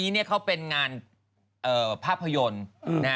นี่เขาเป็นงานภาพยนตร์